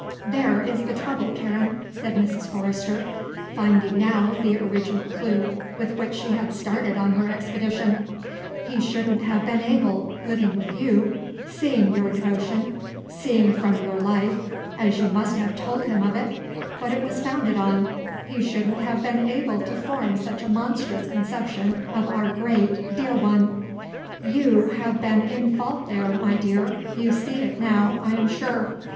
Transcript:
There is the trouble, Karen," said Mrs. Forrester, finding now the original clue with which she had started on her expedition; "he shouldn't have been able, living with you, seeing your devotion, seeing from your life, as you must have told him of it, what it was founded on, he shouldn't have been able to form such a monstrous conception of our great, dear one. You have been in fault there, my dear, you see it now, I am sure.